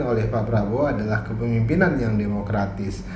oleh pak prabowo adalah kepemimpinan yang demokratis